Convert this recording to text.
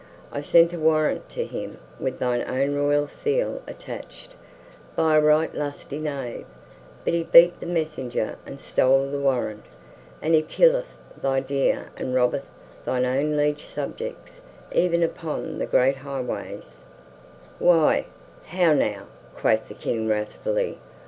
"I sent a warrant to him with thine own royal seal attached, by a right lusty knave, but he beat the messenger and stole the warrant. And he killeth thy deer and robbeth thine own liege subjects even upon the great highways." "Why, how now," quoth the King wrathfully.